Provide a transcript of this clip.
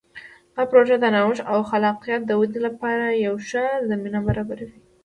دا پروژه د نوښت او خلاقیت د ودې لپاره یوه ښه زمینه برابروي.